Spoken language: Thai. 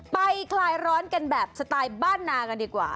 คลายร้อนกันแบบสไตล์บ้านนากันดีกว่า